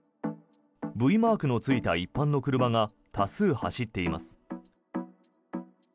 「Ｖ」マークのついた一般の車が多数走っています。